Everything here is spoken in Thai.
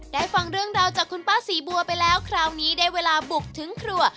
ฟังเรื่องราวจากคุณป้าศรีบัวไปแล้วคราวนี้ได้เวลาบุกถึงครัว